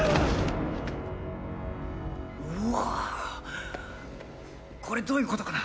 うわぁこれどういうことかな？